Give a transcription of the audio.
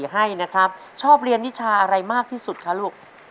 ให้นะครับชอบเรียนวิชาอะไรมากที่สุดคะลูก